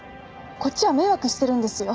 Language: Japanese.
こっちは迷惑してるんですよ。